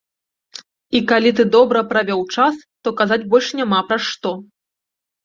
І калі ты добра правёў час, то казаць больш няма пра што.